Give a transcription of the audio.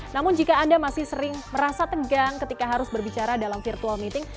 namun jika anda masih sering merasa tegang ketika harus berbicara dalam virtual meeting